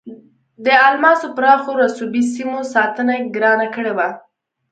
د الماسو پراخو رسوبي سیمو ساتنه یې ګرانه کړې وه.